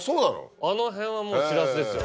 あの辺はもうしらすですよ。